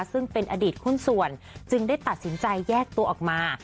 ซึ่งเป็นอดีตหุ้นส่วนจึงได้ตัดสินใจแยกตัวออกมา